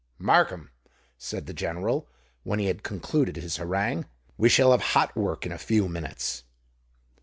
"Markham," said the General, when he had concluded his harangue, "we shall have hot work in a few minutes."